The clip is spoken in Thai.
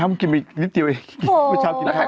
เพราะเมื่อกี้คุณบอกเลย